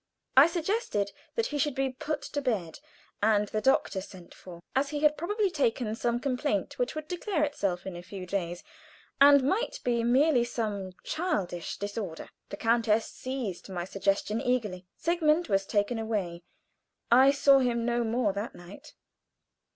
I suggested that he should be put to bed and the doctor sent for, as he had probably taken some complaint which would declare itself in a few days, and might be merely some childish disorder. The countess seized my suggestion eagerly. Sigmund was taken away. I saw him no more that night.